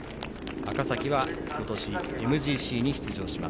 赤崎は今年、ＭＧＣに出場します。